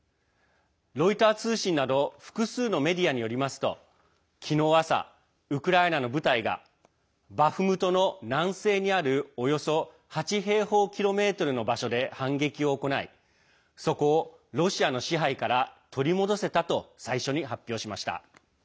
ロイター通信など複数のメディアによりますと昨日朝、ウクライナの部隊がバフムトの南西にあるおよそ８平方キロメートルの場所で反撃を行いそこをロシアの支配から取り戻せたと最初に発表しました。